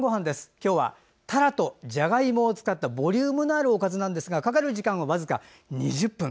今日はたらとじゃがいもを使ったボリュームのあるおかずですがかかる時間はわずか２０分。